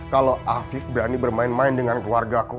kalau afif berani bermain main dengan keluarga ku